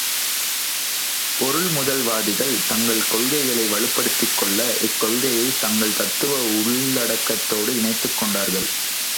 பொருள்முதல்வாதிகள், தங்கள் கொள்கைகளை வலுப்படுத்திக்கொள்ள இக்கொள்கையைத் தங்கள் தத்துவ உள்ளடக்கத்தோடு இணைத்துக் கொண்டார்கள்.